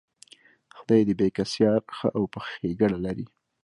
خدای دې بېکسیار ښه او په ښېګړه لري.